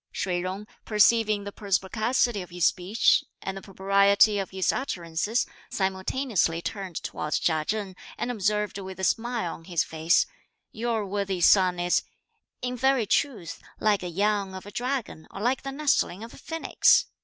Shih Jung perceiving the perspicacity of his speech and the propriety of his utterances, simultaneously turned towards Chia Chen and observed with a smile on his face: "Your worthy son is, in very truth, like the young of a dragon or like the nestling of a phoenix!